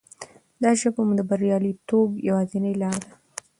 دا ژبه مو د بریالیتوب یوازینۍ لاره ده.